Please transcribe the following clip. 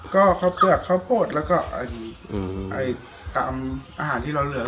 ก็ข้าวเปลือกข้าวโพดแล้วก็ตามอาหารที่เราเหลือ